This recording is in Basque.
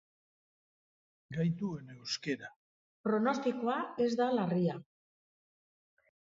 Pronostikoa ez da larria.